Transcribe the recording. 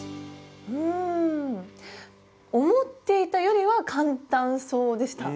うん思っていたよりは簡単そうでした！